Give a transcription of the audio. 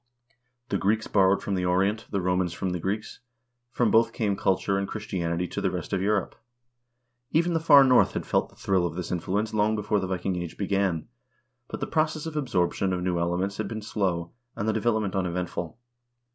The Greeks borrowed from the Orient, the Romans from the Greeks ; from both came culture and Christianity to the rest of Europe. Even the far North had felt the thrill of this influence long before the Viking Age began, but the process of absorption of new elements had been slow, and the develop ment uneventful.